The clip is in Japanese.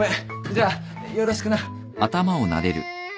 じゃあよろしくな。